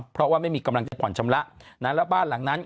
เพราะว่าไม่มีกำลังจะป่อนชำระ